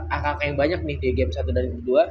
akal yang banyak nih di game satu dan dua